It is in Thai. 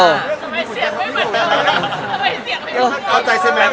ทำไมเสียงไม่เหมือนกัน